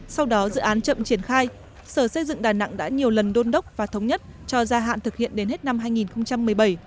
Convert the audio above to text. sau đó dự án chậm triển khai sở xây dựng đà nẵng đã nhiều lần đôn đốc và thống nhất cho gia hạn thực hiện đến hết năm hai nghìn một mươi bảy